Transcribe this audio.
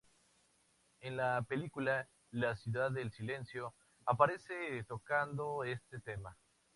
En la película "La ciudad del silencio" aparece tocando este tema.